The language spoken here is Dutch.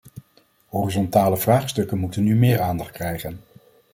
Horizontale vraagstukken moeten nu meer aandacht krijgen.